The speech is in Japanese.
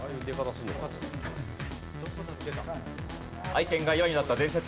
愛犬が岩になった伝説。